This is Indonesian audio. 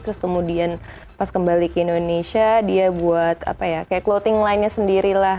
terus kemudian pas kembali ke indonesia dia buat apa ya kayak clothing line nya sendiri lah